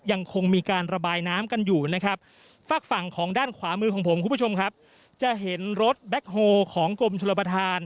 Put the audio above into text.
ยังคงมีการระบายน้ำกันอยู่นะครับ